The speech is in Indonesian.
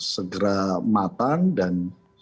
segera matang dan